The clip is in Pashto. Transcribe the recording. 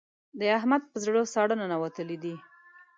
د احمد په زړه ساړه ننوتلې ده.